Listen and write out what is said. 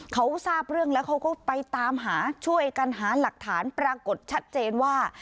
เขาทราบเรื่องแล้วเขาก็ไปตามหาช่วยกันหาหลักฐานปรากฏชัดเจนว่า